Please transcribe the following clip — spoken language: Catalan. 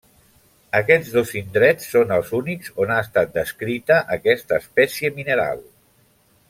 Aquests dos indrets són els únics on ha estat descrita aquesta espècie mineral.